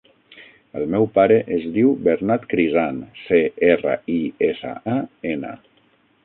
El meu pare es diu Bernat Crisan: ce, erra, i, essa, a, ena.